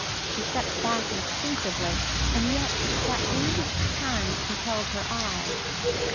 She stepped back instinctively; and yet that bandaged hand compelled her eyes.